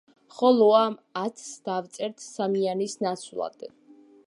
ხოლო ამ ათს დავწერთ სამიანის ნაცვლად.